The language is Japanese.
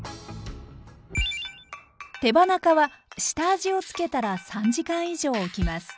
手羽中は下味をつけたら３時間以上おきます。